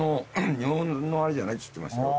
日本のあれじゃないって言ってました。